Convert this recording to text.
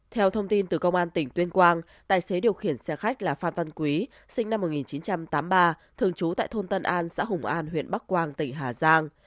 theo thông tin từ công an tỉnh tuyên quang tài xế điều khiển xe khách là phan văn quý sinh năm một nghìn chín trăm tám mươi ba thường trú tại thôn tân an xã hùng an huyện bắc quang tỉnh hà giang